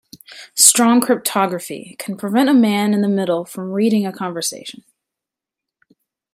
Strong cryptography can prevent a man in the middle from reading a conversation.